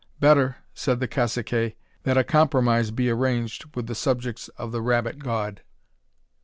Better, said the caciques, that a compromise be arranged with the subjects of the Rabbit God.